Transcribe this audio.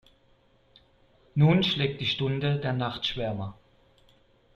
Nun schlägt die Stunde der Nachtschwärmer.